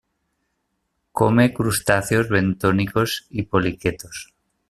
Come crustáceos bentónicos y poliquetos.